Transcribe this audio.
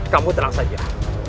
kamu tenang saja